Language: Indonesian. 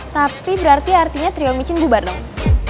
tapi berarti artinya trio micin bubar dong